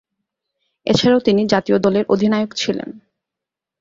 এছাড়াও তিনি জাতীয় দলের অধিনায়ক ছিলেন।